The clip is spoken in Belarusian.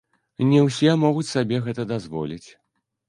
Не ўсе могуць сабе гэта дазволіць.